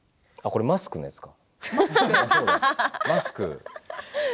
あ、これマスクのやつか。